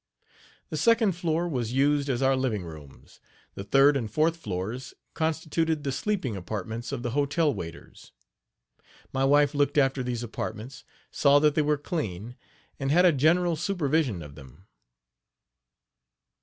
The second floor was used as our living rooms; the third and fourth floors constituted the sleeping apartments of the hotel waiters. My wife looked after these apartments, saw that they were clean, and had a general supervision of them.